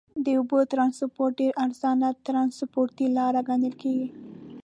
د اوبو ترانسپورت ډېر ارزانه ترنسپورټي لاره ګڼل کیږي.